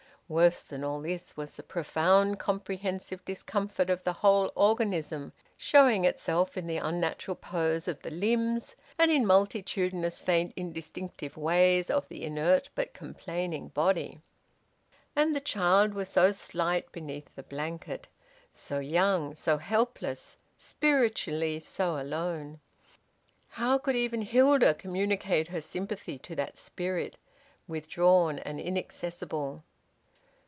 Worse than all this was the profound, comprehensive discomfort of the whole organism, showing itself in the unnatural pose of the limbs, and in multitudinous faint instinctive ways of the inert but complaining body. And the child was so slight beneath the blanket, so young, so helpless, spiritually so alone. How could even Hilda communicate her sympathy to that spirit, withdrawn and inaccessible?